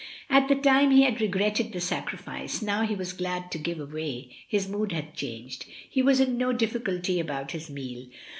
At the time he had regretted the sacrifice, now he was glad to get away —his mood had changed. He was in no difficulty about his meal.